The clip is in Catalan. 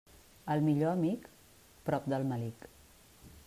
El millor amic, prop del melic.